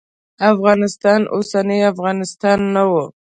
افغانستان اوسنی افغانستان نه و.